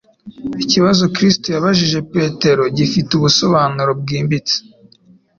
Ikibazo Kristo yabajije Petero gifite ubusobanuro bwimbitse.